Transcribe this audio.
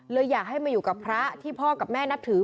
อยากให้มาอยู่กับพระที่พ่อกับแม่นับถือ